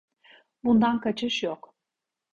Bundan kaçış yok.